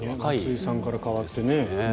松井さんから代わってね。